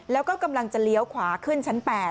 แล้วก็กำลังจะเลี้ยวขวาขึ้นชั้น๘